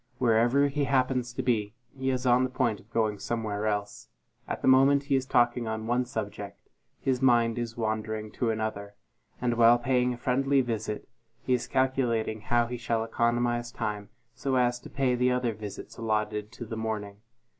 Wherever he happens to be, he is on the point of going somewhere else; at the moment he is talking on one subject, his mind is wandering to another; and while paying a friendly visit, he is calculating how he shall economize time so as to pay the other visits allotted to the morning.